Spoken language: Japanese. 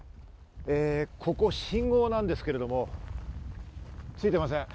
ここ信号なんですけど、ついてません。